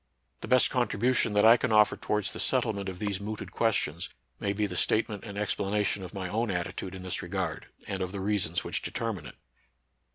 The best contribution that I can offer towards the settlement of these mooted questions may be the statement and explanation of my own attitude in this regard, and of the reasons which determine it.